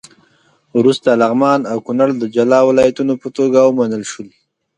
وروسته لغمان او کونړ د جلا ولایتونو په توګه ومنل شول.